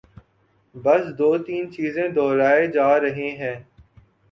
بس دو تین چیزیں دہرائے جا رہے ہیں۔